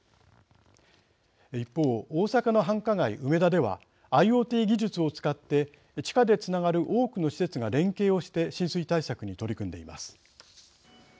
一方、大阪の繁華街・梅田ではＩｏＴ技術を使って地下でつながる多くの施設が連携をして浸水対策に取り組んでいます。